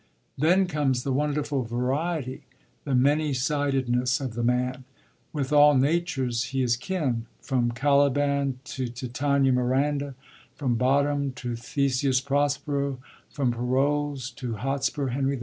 Then comes the wonderful variety, the many sided ness of the man. With all natures he is kin. From Caliban to Titania, Miranda; from Bottom to Theseus, Prospero ; from Parolles to Hotspur, Henry V.